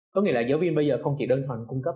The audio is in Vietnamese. có nghĩa là giáo viên bây giờ không chỉ đơn thuần cung cấp